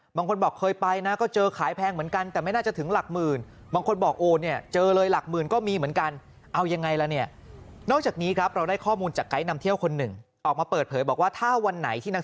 บางคนบอกเคยไปนะก็เจอขายแพงเหมือนกัน